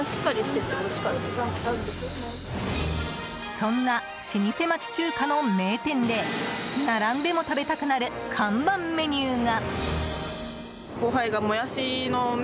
そんな老舗町中華の名店で並んでも食べたくなる看板メニューが。